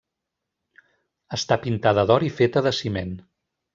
Està pintada d'or i feta de ciment.